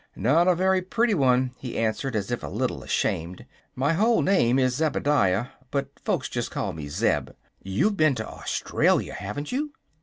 "Not a very pretty one," he answered, as if a little ashamed. "My whole name is Zebediah; but folks just call me 'Zeb.' You've been to Australia, haven't you?"